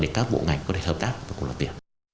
để các bộ ngành có thể hợp tác và cùng làm việc